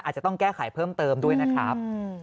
อาจจะต้องแก้ไขเพิ่มเติมด้วยนะครับ